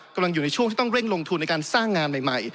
กำลังอยู่ในช่วงที่ต้องเร่งลงทุนในการสร้างงานใหม่